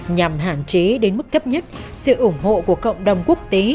nhằm hạn chế đến mức thấp nhất sự ủng hộ của cộng đồng quốc tế